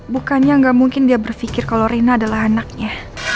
bukannya gak mungkin dia berfikir kalo rina adalah anaknya